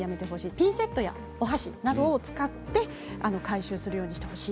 ピンセットやお箸などを使って回収するようにしてほしい。